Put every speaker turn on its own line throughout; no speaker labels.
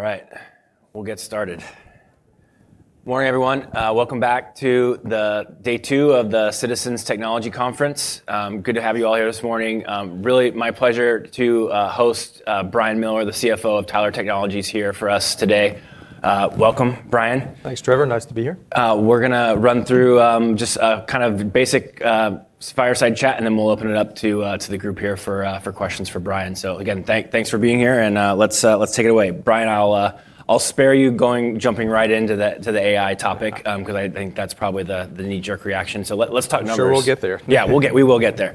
All right, we'll get started. Morning, everyone. Welcome back to the day 2 of the Citizens Technology Conference. Good to have you all here this morning. Really my pleasure to host Brian Miller, the CFO of Tyler Technologies here for us today. Welcome, Brian.
Thanks, Trevor. Nice to be here.
We're gonna run through, just, kind of basic fireside chat, and then we'll open it up to the group here for questions for Brian. Again, thanks for being here, and let's take it away. Brian, I'll spare you jumping right into to the AI topic, 'cause I think that's probably the knee-jerk reaction. Let's talk numbers.
I'm sure we'll get there.
We will get there.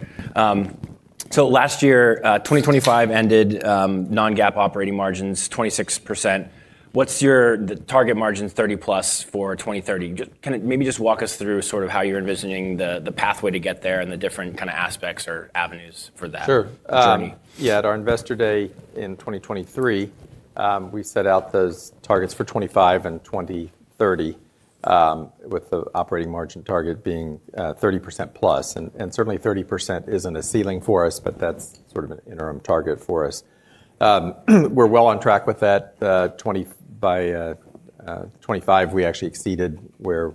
Last year, 2025 ended, non-GAAP operating margins 26%. What's the target margin 30+ for 2030. Can you maybe just walk us through sort of how you're envisioning the pathway to get there and the different kinda aspects or avenues for that?
Sure.
-journey?
At our Investor Day in 2023, we set out those targets for 25 and 2030, with the operating margin target being 30%+. Certainly 30% isn't a ceiling for us, but that's sort of an interim target for us. We're well on track with that. By 25, we actually exceeded where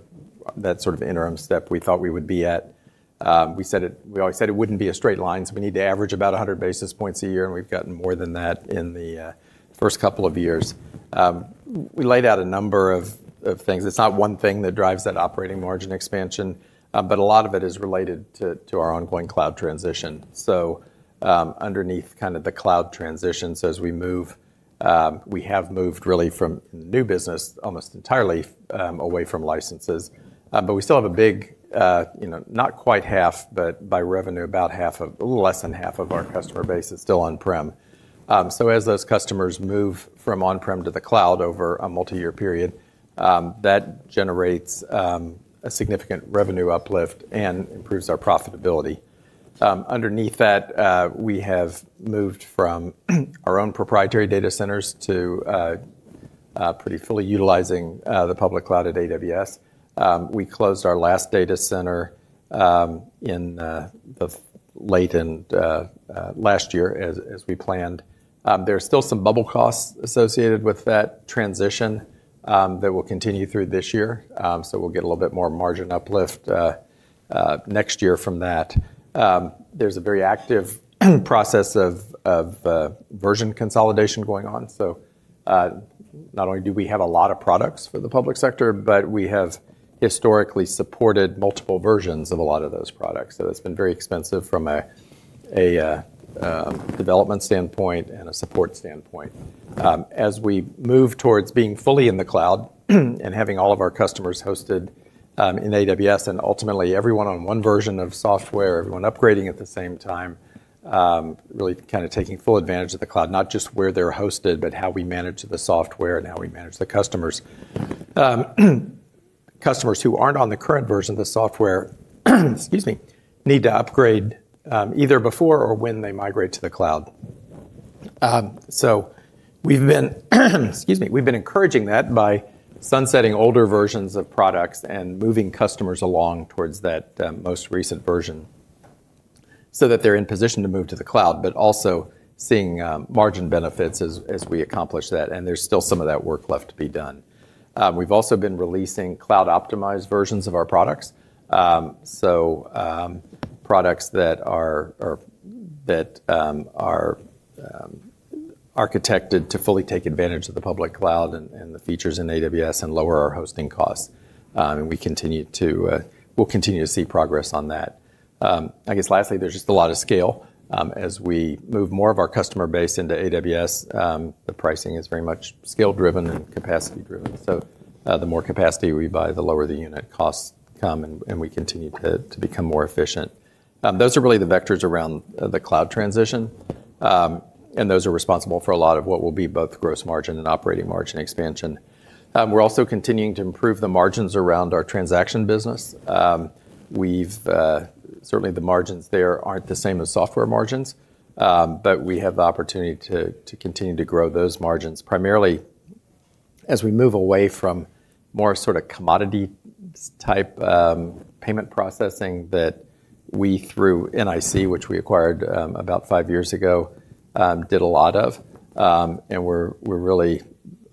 that sort of interim step we thought we would be at. We always said it wouldn't be a straight line, so we need to average about 100 basis points a year, and we've gotten more than that in the first couple of years. We laid out a number of things. It's not 1 thing that drives that operating margin expansion, but a lot of it is related to our ongoing cloud transition. Underneath kind of the cloud transition, as we move, we have moved really from new business almost entirely away from licenses. We still have a big, you know, not quite half, but by revenue, A little less than half of our customer base is still on-prem. As those customers move from on-prem to the cloud over a multi-year period, that generates a significant revenue uplift and improves our profitability. Underneath that, we have moved from our own proprietary data centers to pretty fully utilizing the public cloud at AWS. We closed our last data center late last year as we planned. There are still some bubble costs associated with that transition that will continue through this year. We'll get a little bit more margin uplift next year from that. There's a very active process of version consolidation going on. Not only do we have a lot of products for the public sector, but we have historically supported multiple versions of a lot of those products. It's been very expensive from a development standpoint and a support standpoint. As we move towards being fully in the cloud and having all of our customers hosted in AWS, and ultimately everyone on 1 version of software, everyone upgrading at the same time, really kinda taking full advantage of the cloud, not just where they're hosted, but how we manage the software and how we manage the customers. Customers who aren't on the current version of the software, excuse me, need to upgrade either before or when they migrate to the cloud. We've been encouraging that by sunsetting older versions of products and moving customers along towards that most recent version so that they're in position to move to the cloud. Also seeing margin benefits as we accomplish that, and there's still some of that work left to be done. We've also been releasing cloud-optimized versions of our products. Products that are architected to fully take advantage of the public cloud and the features in AWS and lower our hosting costs. We'll continue to see progress on that. I guess lastly, there's just a lot of scale. As we move more of our customer base into AWS, the pricing is very much scale-driven and capacity-driven. The more capacity we buy, the lower the unit costs come, and we continue to become more efficient. Those are really the vectors around the cloud transition. Those are responsible for a lot of what will be both gross margin and operating margin expansion. We're also continuing to improve the margins around our transaction business. Certainly, the margins there aren't the same as software margins, but we have the opportunity to continue to grow those margins primarily as we move away from more sorta commodity type payment processing that we through NIC, which we acquired, about 5 years ago, did a lot of. We're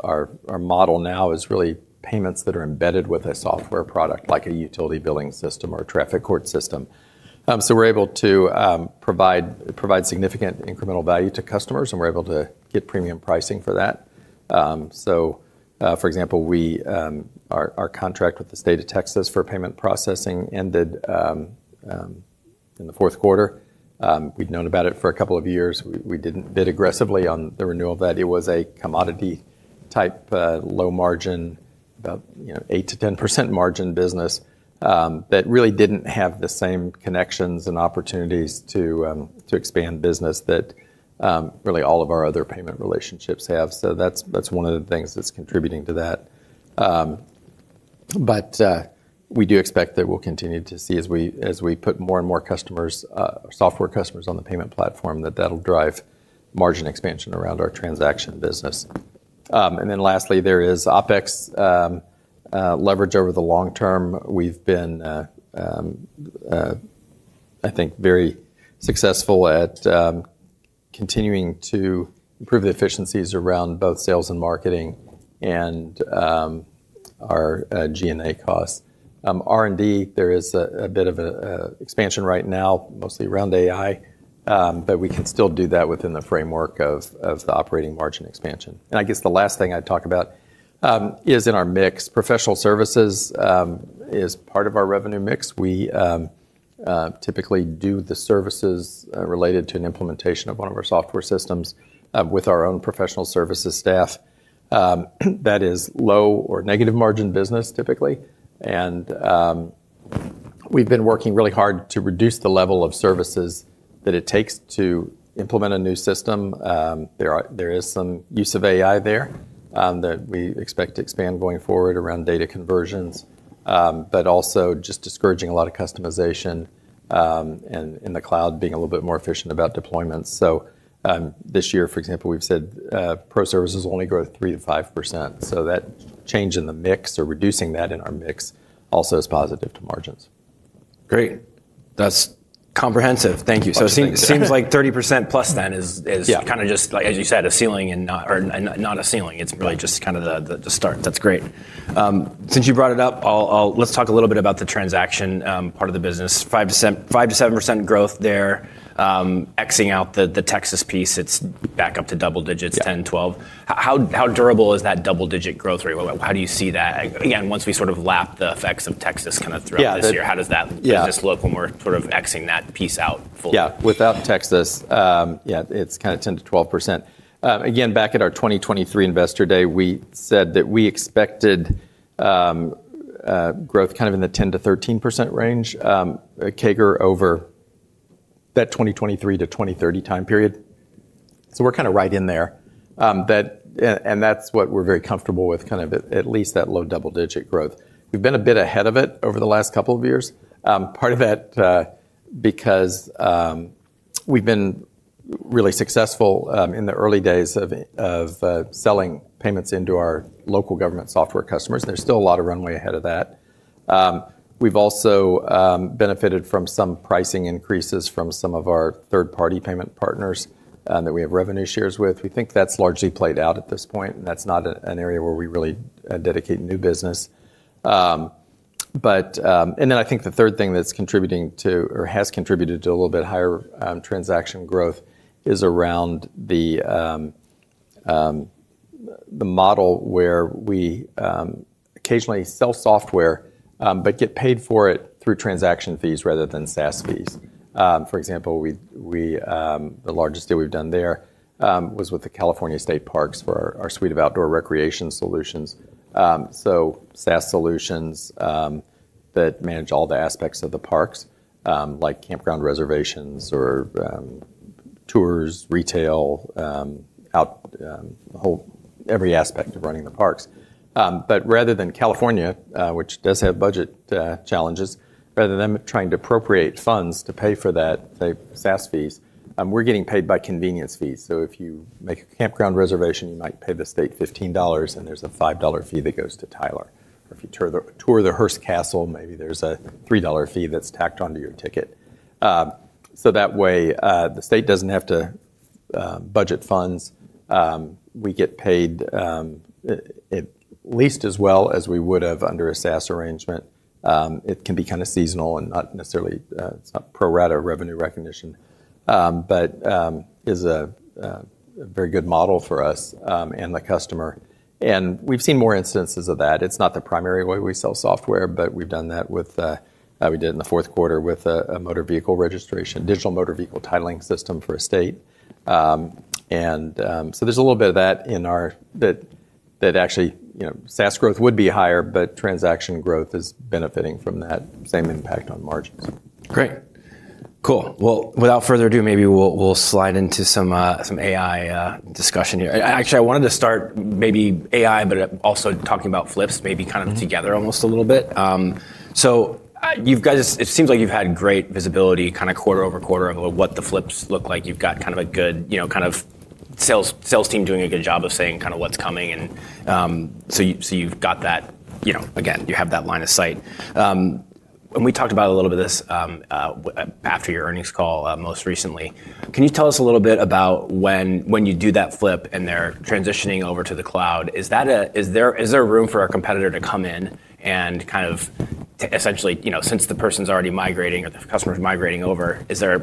our model now is really payments that are embedded with a software product, like a utility billing system or a traffic court system. We're able to provide significant incremental value to customers, and we're able to get premium pricing for that. For example, we our contract with the State of Texas for payment processing ended in the Q4. We'd known about it for a couple of years. We didn't bid aggressively on the renewal of that. It was a commodity type, low margin, about, you know, 8%-10% margin business that really didn't have the same connections and opportunities to expand business that really all of our other payment relationships have. That's one of the things that's contributing to that. We do expect that we'll continue to see as we, as we put more and more customers, software customers on the payment platform, that that'll drive margin expansion around our transaction business. Lastly, there is OpEx leverage over the long term. We've been, I think, very successful at continuing to improve the efficiencies around both sales and marketing and our G&A costs. R&D, there is a bit of an expansion right now, mostly around AI, but we can still do that within the framework of the operating margin expansion. I guess the last thing I'd talk about is in our mix. Professional services is part of our revenue mix. We typically do the services related to an implementation of one of our software systems with our own professional services staff. That is low or negative margin business typically. We've been working really hard to reduce the level of services that it takes to implement a new system. There is some use of AI there that we expect to expand going forward around data conversions. But also just discouraging a lot of customization and in the cloud being a little bit more efficient about deployments. This year, for example, we've said, pro services will only grow 3%-5%. That change in the mix or reducing that in our mix also is positive to margins.
Great. That's comprehensive. Thank you.
A bunch of things-
seems like 30%+ then is.
Yeah
kinda just like, as you said, a ceiling and not, or not a ceiling. It's really just kinda the start. That's great. Since you brought it up, I'll let's talk a little bit about the transaction part of the business. 5%-7% growth there. X-ing out the Texas piece, it's back up to double digits-
Yeah
10, 12. How durable is that double-digit growth rate? How do you see that again, once we sort of lap the effects of Texas kinda throughout this year?
Yeah.
How does that business look when we're sort of X-ing that piece out fully?
Without Texas, yeah, it's kind of 10%-12%. Again, back at our 2023 Investor Day, we said that we expected growth kind of in the 10%-13% range, CAGR over that 2023-2030 time period. We're kind of right in there. That's what we're very comfortable with, kind of at least that low double-digit growth. We've been a bit ahead of it over the last couple of years. Part of that, because we've been really successful in the early days of selling payments into our local government software customers. There's still a lot of runway ahead of that. We've also benefited from some pricing increases from some of our third-party payment partners that we have revenue shares with. We think that's largely played out at this point, and that's not an area where we really dedicate new business. I think the 3rd thing that's contributing to or has contributed to a little bit higher transaction growth is around the model where we occasionally sell software but get paid for it through transaction fees rather than SaaS fees. For example, we, the largest deal we've done there was with the California State Parks for our suite of Outdoor Recreation solution. So SaaS solutions that manage all the aspects of the parks like campground reservations or tours, retail, every aspect of running the parks. Rather than California, which does have budget challenges, rather than them trying to appropriate funds to pay for that, the SaaS fees, we're getting paid by convenience fees. If you make a campground reservation, you might pay the state $15, and there's a $5 fee that goes to Tyler. If you tour the Hearst Castle, maybe there's a $3 fee that's tacked onto your ticket. That way, the state doesn't have to budget funds. We get paid, at least as well as we would have under a SaaS arrangement. It can be kinda seasonal and not necessarily, it's not pro rata revenue recognition, but is a very good model for us and the customer. We've seen more instances of that. It's not the primary way we sell software, but we've done that with, we did in the Q4 with a motor vehicle registration, digital motor vehicle titling system for a state. There's a little bit of that actually, you know, SaaS growth would be higher, but transaction growth is benefiting from that same impact on margins.
Great. Cool. Well, without further ado, maybe we'll slide into some AI discussion here. Actually, I wanted to start maybe AI, but also talking about flips, maybe kind of together almost a little bit. You guys, it seems like you've had great visibility kinda quarter-over-quarter of what the flips look like. You've got kind of a good, you know, kind of sales team doing a good job of saying kinda what's coming. You, so you've got that, you know, again, you have that line of sight. We talked about a little bit of this after your earnings call most recently. Can you tell us a little bit about when you do that flip, and they're transitioning over to the cloud. Is there room for a competitor to come in and kind of essentially, you know, since the person's already migrating or the customer's migrating over, is there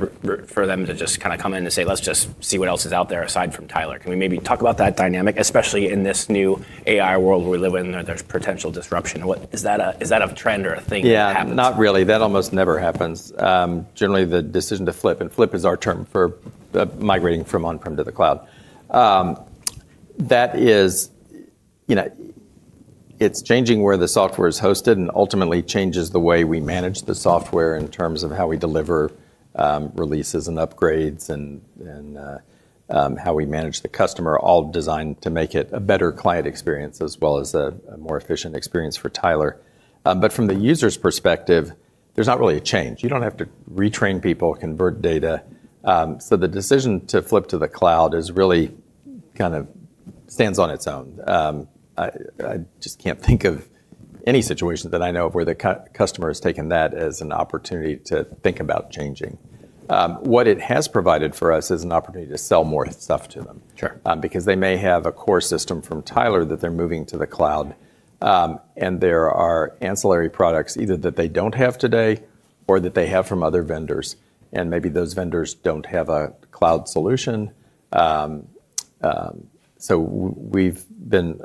for them to just kind of come in and say, "Let's just see what else is out there aside from Tyler"? Can we maybe talk about that dynamic, especially in this new AI world we live in, there's potential disruption. Is that a, is that a trend or a thing that happens?
Not really. That almost never happens. Generally, the decision to flip, and flip is our term for migrating from on-prem to the cloud. That is, you know, it's changing where the software is hosted and ultimately changes the way we manage the software in terms of how we deliver releases and upgrades and how we manage the customer, all designed to make it a better client experience as well as a more efficient experience for Tyler. From the user's perspective, there's not really a change. You don't have to retrain people, convert data. The decision to flip to the cloud is really kind of stands on its own. I just can't think of any situation that I know of where the customer has taken that as an opportunity to think about changing. What it has provided for us is an opportunity to sell more stuff to them.
Sure.
Because they may have a core system from Tyler that they're moving to the cloud, and there are ancillary products either that they don't have today or that they have from other vendors, and maybe those vendors don't have a cloud solution. We've been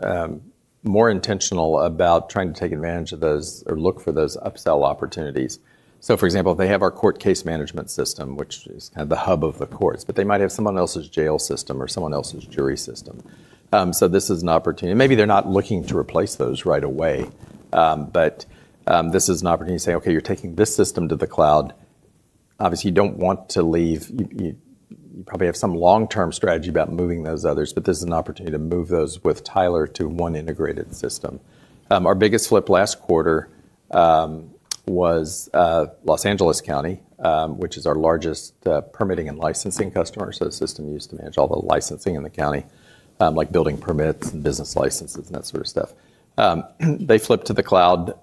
more intentional about trying to take advantage of those or look for those upsell opportunities. For example, if they have our Court Case Management system, which is kind of the hub of the courts, but they might have someone else's jail system or someone else's jury system. This is an opportunity. Maybe they're not looking to replace those right away. This is an opportunity to say, "Okay, you're taking this system to the cloud. Obviously, you don't want to leave. You probably have some long-term strategy about moving those others, but this is an opportunity to move those with Tyler to 1 integrated system. Our biggest flip last quarter was Los Angeles County, which is our largest permitting and licensing customer. The system used to manage all the licensing in the county, like building permits and business licenses and that sort of stuff. They flipped to the cloud,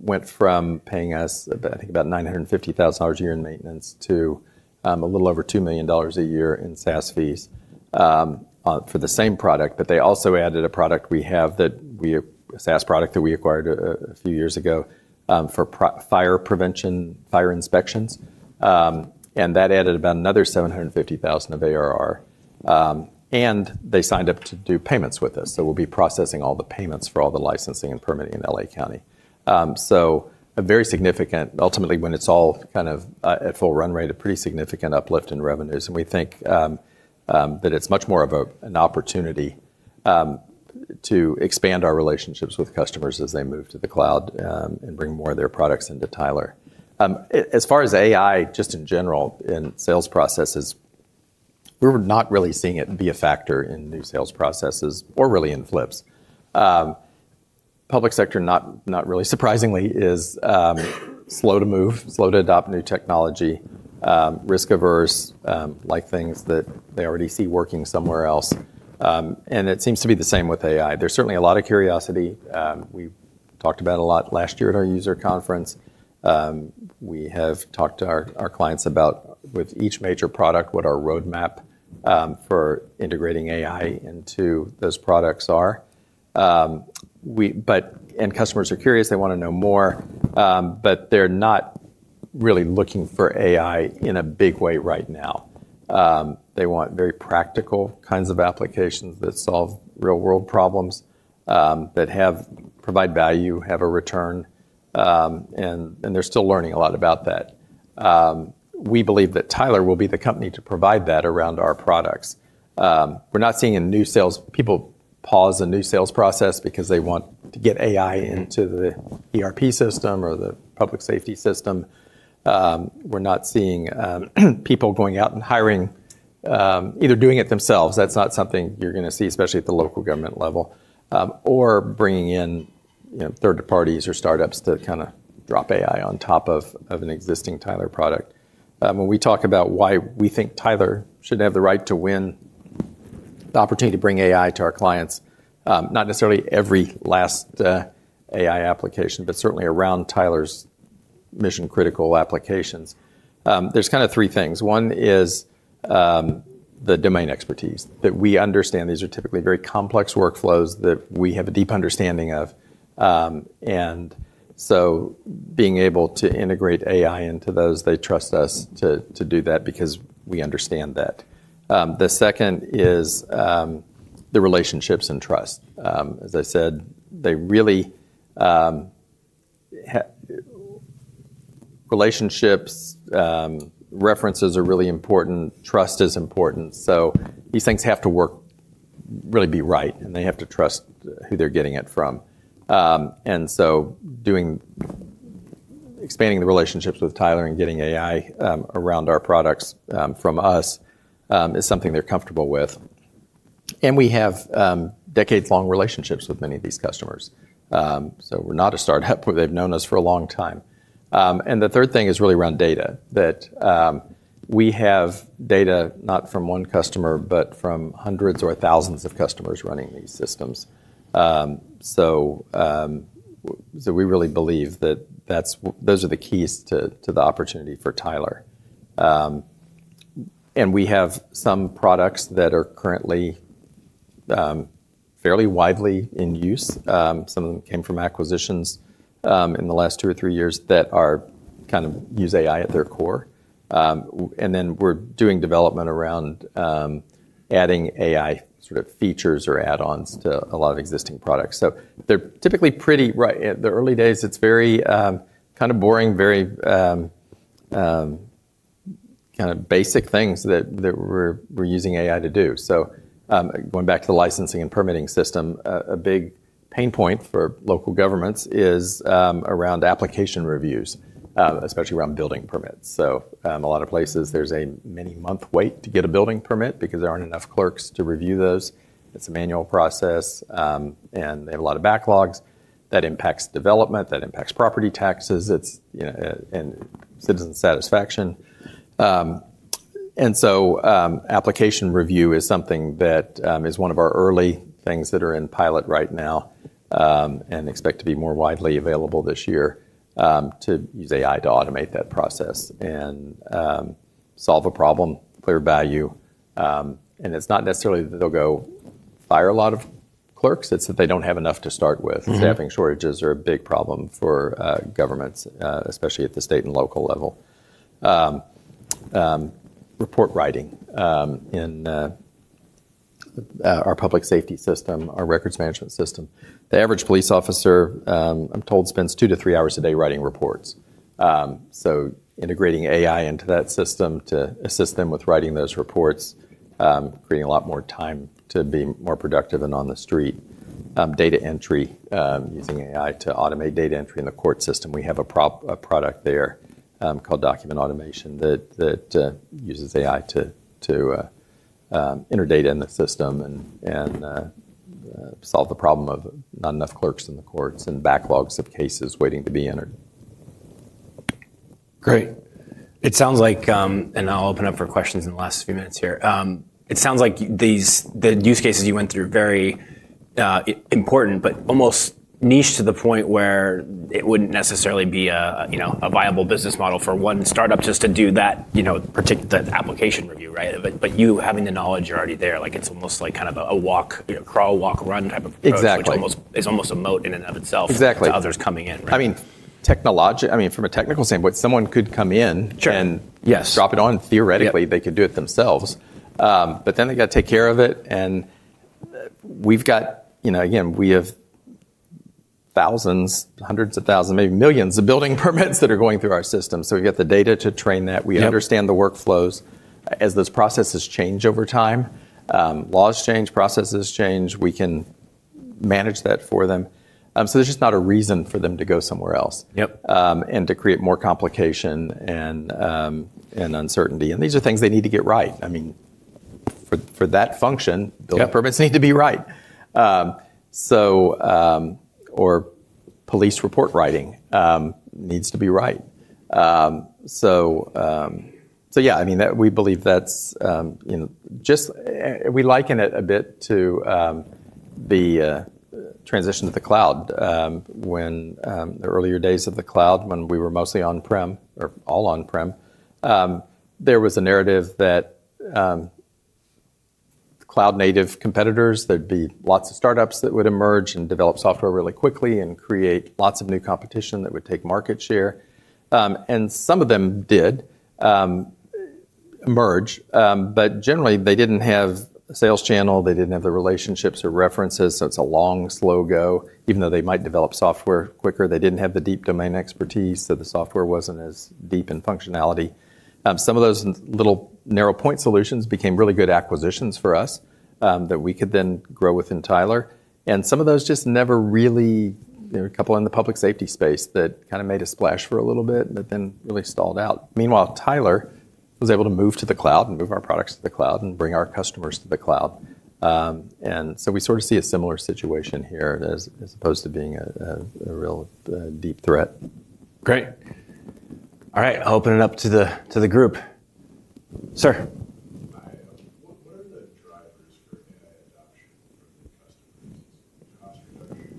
went from paying us about, I think about $950,000 a year in maintenance to a little over $2 million a year in SaaS fees for the same product. They also added a product we have a SaaS product that we acquired a few years ago for fire prevention, fire inspections. That added about another $750,000 of ARR. They signed up to do payments with us. We'll be processing all the payments for all the licensing and permitting in L.A. County. A very significant, Ultimately, when it's all kind of at full run rate, a pretty significant uplift in revenues. We think that it's much more of an opportunity to expand our relationships with customers as they move to the cloud and bring more of their products into Tyler. As far as AI, just in general in sales processes, we're not really seeing it be a factor in new sales processes or really in flips. Public sector, not really surprisingly, is slow to move, slow to adopt new technology, risk-averse, like things that they already see working somewhere else. And it seems to be the same with AI. There's certainly a lot of curiosity. We talked about a lot last year at our user conference. We have talked to our clients about with each major product, what our roadmap for integrating AI into those products are. Customers are curious. They wanna know more, but they're not really looking for AI in a big way right now. They want very practical kinds of applications that solve real-world problems, that provide value, have a return, and they're still learning a lot about that. We believe that Tyler will be the company to provide that around our products. We're not seeing people pause a new sales process because they want to get AI into the ERP system or the public safety system. We're not seeing people going out and hiring either doing it themselves. That's not something you're gonna see, especially at the local government level, or bringing in, you know, third parties or startups to kinda drop AI on top of an existing Tyler product. When we talk about why we think Tyler should have the right to win the opportunity to bring AI to our clients, not necessarily every last AI application, but certainly around Tyler's mission-critical applications. There's kinda 3 things. 1 is the domain expertise that we understand. These are typically very complex workflows that we have a deep understanding of. Being able to integrate AI into those, they trust us to do that because we understand that. The 2nd is the relationships and trust. As I said, they really, Relationships, references are really important. Trust is important. These things have to work, really be right, and they have to trust who they're getting it from. Expanding the relationships with Tyler and getting AI around our products from us is something they're comfortable with. We have decades-long relationships with many of these customers. We're not a startup. They've known us for a long time. The 3rd thing is really around data, that we have data not from 1 customer, but from hundreds or thousands of customers running these systems. We really believe that's those are the keys to the opportunity for Tyler. We have some products that are currently fairly widely in use. Some of them came from acquisitions in the last 2 or 3 years that are kind of use AI at their core. Then we're doing development around adding AI sort of features or add-ons to a lot of existing products. They're typically pretty the early days, it's very kind of boring, very kind of basic things that we're using AI to do. Going back to the licensing and permitting system, a big pain point for local governments is around application reviews, especially around building permits. A lot of places, there's a many-month wait to get a building permit because there aren't enough clerks to review those. It's a manual process, and they have a lot of backlogs. That impacts development, that impacts property taxes. It's, and citizen satisfaction. Application review is something that is one of our early things that are in pilot right now, and expect to be more widely available this year to use AI to automate that process and solve a problem, clear value. It's not necessarily that they'll go fire a lot of clerks. It's that they don't have enough to start with.
Mm-hmm.
Staffing shortages are a big problem for governments, especially at the state and local level. Report writing in our public safety system, our Records Management System. The average police officer, I'm told, spends 2-3 hours a day writing reports. Integrating AI into that system to assist them with writing those reports, creating a lot more time to be more productive and on the street. Data entry, using AI to automate data entry in the court system. We have a product there called Document Automation that uses AI to enter data in the system and solve the problem of not enough clerks in the courts and backlogs of cases waiting to be entered.
Great. It sounds like. I'll open up for questions in the last few minutes here. It sounds like the use cases you went through are very important but almost niche to the point where it wouldn't necessarily be a, you know, a viable business model for 1 startup just to do that, you know, the application review, right? But you having the knowledge are already there. Like, it's almost like kind of a walk, you know, crawl, walk, run type of approach-
Exactly
which is almost a moat in and of itself.
Exactly
to others coming in, right?
I mean, from a technical standpoint, someone could come in-
Sure. Yes.
and drop it on.
Yep.
Theoretically, they could do it themselves. They gotta take care of it, and we've got. You know, again, we have thousands, hundreds of thousands, maybe millions of building permits that are going through our system. We've got the data to train that.
Yep.
We understand the workflows. As those processes change over time, laws change, processes change, we can manage that for them. There's just not a reason for them to go somewhere else.
Yep
To create more complication and uncertainty. These are things they need to get right. I mean, for that function-
Yep
building permits need to be right. Or police report writing needs to be right. I mean, we believe that's, you know, We liken it a bit to the transition to the cloud when the earlier days of the cloud when we were mostly on-prem or all on-prem. There was a narrative that cloud-native competitors, there'd be lots of startups that would emerge and develop software really quickly and create lots of new competition that would take market share. Some of them did emerge. Generally, they didn't have a sales channel. They didn't have the relationships or references, so it's a long, slow go. Even though they might develop software quicker, they didn't have the deep domain expertise, so the software wasn't as deep in functionality. Some of those little narrow point solutions became really good acquisitions for us, that we could then grow within Tyler. Some of those just never really. There were a couple in the public safety space that kinda made a splash for a little bit but then really stalled out. Meanwhile, Tyler was able to move to the cloud and move our products to the cloud and bring our customers to the cloud. We sort of see a similar situation here as opposed to being a real, deep threat.
Great. All right. I'll open it up to the group. Sir.
Hi. What are the drivers for AI adoption from the customer's cost reduction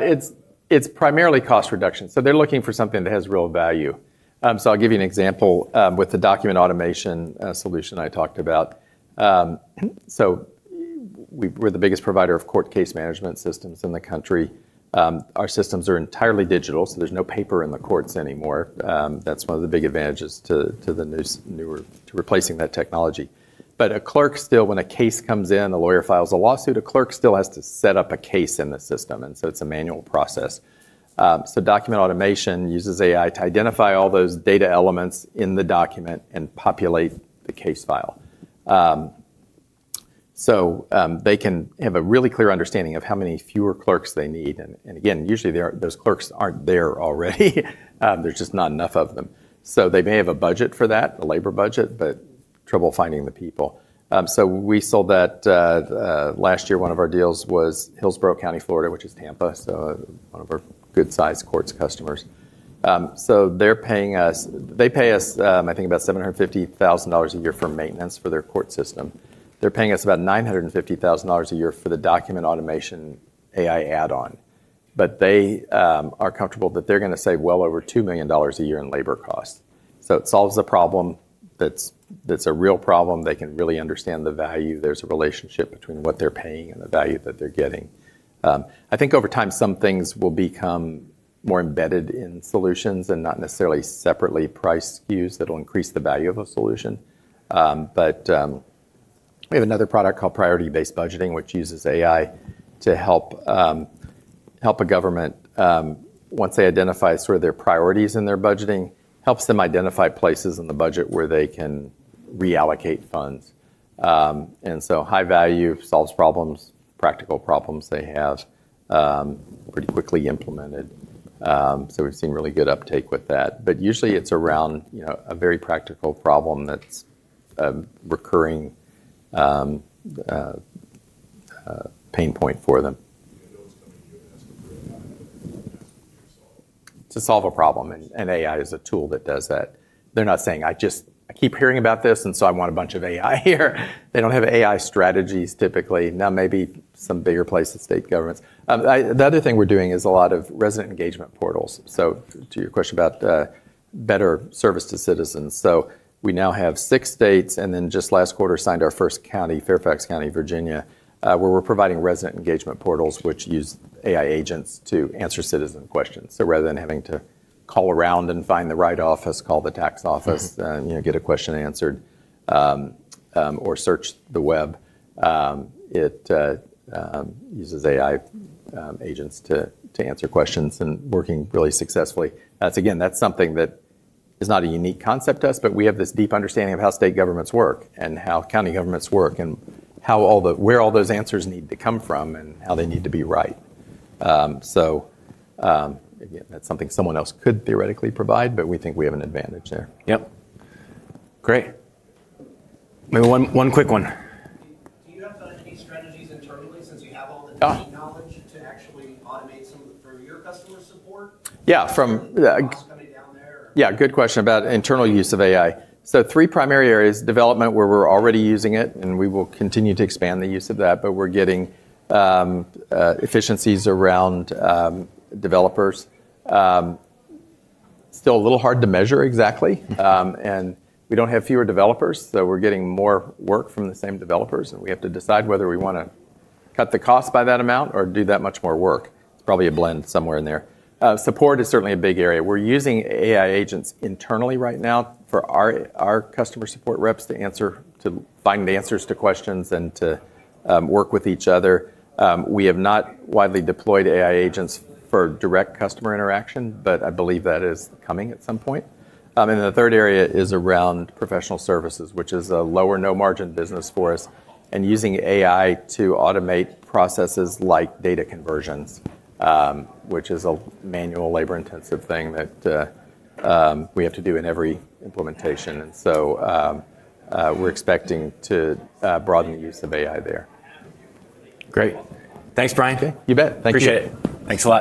versus.
It's primarily cost reduction. They're looking for something that has real value. I'll give you an example with the Document Automation solution I talked about. We're the biggest provider of Court Case Management systems in the country. Our systems are entirely digital, there's no paper in the courts anymore. That's one of the big advantages to the newer to replacing that technology. A clerk still, when a case comes in, a lawyer files a lawsuit, a clerk still has to set up a case in the system, it's a manual process. Document Automation uses AI to identify all those data elements in the document and populate the case file. They can have a really clear understanding of how many fewer clerks they need. Those clerks aren't there already. There's just not enough of them. They may have a budget for that, a labor budget, but trouble finding the people. We sold that last year, one of our deals was Hillsborough County, Florida, which is Tampa, one of our good-sized courts customers. They pay us, I think about $750,000 a year for maintenance for their court system. They're paying us about $950,000 a year for the Document Automation AI add-on. They are comfortable that they're gonna save well over $2 million a year in labor costs. It solves a problem that's a real problem. They can really understand the value. There's a relationship between what they're paying and the value that they're getting. I think over time, some things will become more embedded in solutions and not necessarily separately priced SKUs that'll increase the value of a solution. We have another product called Priority-Based Budgeting, which uses AI to help help a government, once they identify sort of their priorities in their budgeting, helps them identify places in the budget where they can reallocate funds. High value solves problems, practical problems they have, pretty quickly implemented. We've seen really good uptake with that. Usually it's around, you know, a very practical problem that's a recurring pain point for them. To solve a problem, and AI is a tool that does that. They're not saying, "I keep hearing about this, I want a bunch of AI here." They don't have AI strategies typically. Maybe some bigger places, state governments. The other thing we're doing is a lot of Resident Engagement platform. To your question about better service to citizens. We now have 6 states, just last quarter signed our 1st county, Fairfax County, Virginia, where we're providing Resident Engagement platform which use AI agents to answer citizen questions. Rather than having to call around and find the right office, and, you know, get a question answered, or search the web, it uses AI agents to answer questions and working really successfully. That's again, that's something that is not a unique concept to us, but we have this deep understanding of how state governments work and how county governments work, and how all the where all those answers need to come from and how they need to be right. Again, that's something someone else could theoretically provide, but we think we have an advantage there.
Yep. Great. Maybe 1 quick one. Do you have any strategies internally since you have-
Uh. knowledge to actually automate some for your customer support?
Yeah. From,
Cost coming down there?
Yeah, good question about internal use of AI. 3 primary areas, development where we're already using it, and we will continue to expand the use of that, but we're getting efficiencies around developers. Still a little hard to measure exactly. We don't have fewer developers, so we're getting more work from the same developers, and we have to decide whether we wanna cut the cost by that amount or do that much more work. It's probably a blend somewhere in there. Support is certainly a big area. We're using AI agents internally right now for our customer support reps to find the answers to questions and to work with each other. We have not widely deployed AI agents for direct customer interaction, but I believe that is coming at some point. The 3rd area is around professional services, which is a lower no-margin business for us, and using AI to automate processes like data conversions, which is a manual labor-intensive thing that we have to do in every implementation. We're expecting to broaden the use of AI there.
Great. Thanks, Brian.
Okay. You bet. Thank you.
Appreciate it. Thanks a lot.